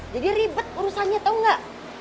jadi ribet urusannya tau gak